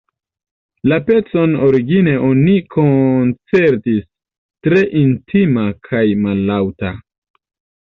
La pecon origine oni koncertis tre intima kaj mallaŭta.